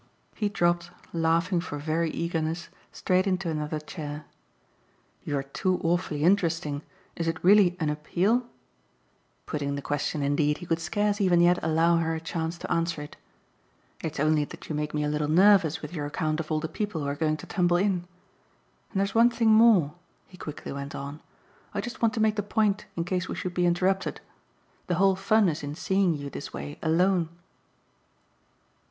He dropped, laughing for very eagerness, straight into another chair. "You're too awfully interesting. Is it really an 'appeal'?" Putting the question indeed he could scarce even yet allow her a chance to answer it. "It's only that you make me a little nervous with your account of all the people who are going to tumble in. And there's one thing more," he quickly went on; "I just want to make the point in case we should be interrupted. The whole fun is in seeing you this way alone."